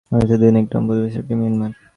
বাংলাদেশের দুই নিকটতম প্রতিবেশীর একটি মিয়ানমার।